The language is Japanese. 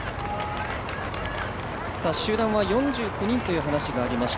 集団は４９人という話もありました